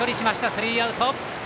スリーアウト。